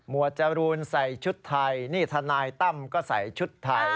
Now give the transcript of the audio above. วดจรูนใส่ชุดไทยนี่ทนายตั้มก็ใส่ชุดไทย